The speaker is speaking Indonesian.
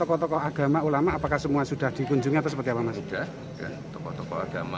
oke kemudian untuk